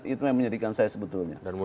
itu yang menyedihkan saya sebetulnya